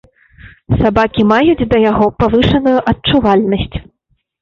Сабакі маюць на яго павышаную адчувальнасць.